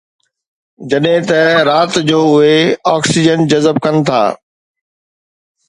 جڏهن ته رات جو اهي آڪسيجن جذب ڪن ٿا